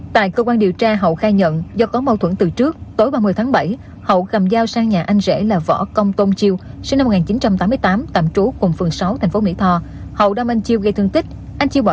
tài nạn xảy ra tại khu vực biển bãi trường xã dương tơ vào khoảng một mươi bảy h ba mươi phút chiều qua ngày một mươi bảy tháng tám